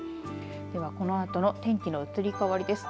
では、このあとの天気の移り変わりです。